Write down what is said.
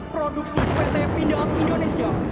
produksi pt pindahat indonesia